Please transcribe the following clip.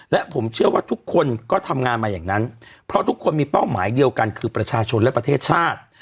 และผมเชื่อว่าทุกคนก็ทำงานมาอย่างนั้นเพราะทุกคนมีเป้าหมายเดียวกันคือประชาชนและประเทศชาติ